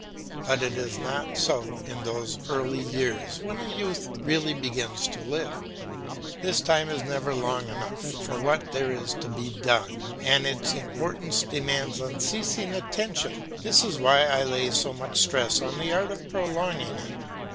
But it is not so in those early years when a youth really begins to live. This time is never long enough for what there is to be done, and its importance demands unceasing attention; this is why I lay so much stress on the art of prolonging it.